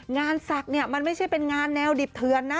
ศักดิ์เนี่ยมันไม่ใช่เป็นงานแนวดิบเทือนนะ